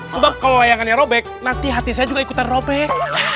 sebab kalau layangannya robek nanti hati saya juga ikutan robek